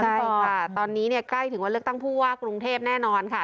ใช่ค่ะตอนนี้ใกล้ถึงวันเลือกตั้งผู้ว่ากรุงเทพแน่นอนค่ะ